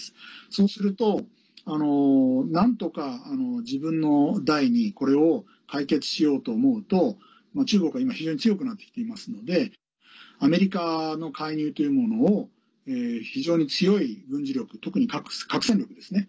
そうすると、なんとか自分の代にこれを解決しようと思うと中国は今非常に強くなってきていますのでアメリカの介入というものを非常に強い軍事力特に核戦力ですね。